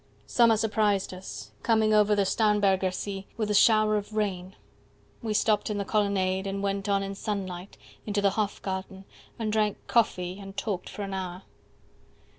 Summer surprised us, coming over the Starnbergersee With a shower of rain; we stopped in the colonnade, And went on in sunlight, into the Hofgarten, 10 And drank coffee, and talked for an hour.